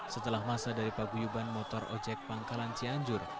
setelah masa dari paguyuban motor ojek pangkalan cianjur